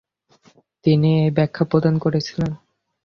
তিনি এই ব্যাখ্যা প্রদান করেছিলেন।